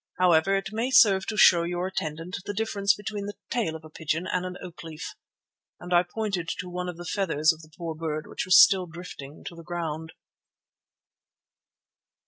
However, it may serve to show your attendant the difference between the tail of a pigeon and an oak leaf," and I pointed to one of the feathers of the poor bird, which was still drifting to the ground.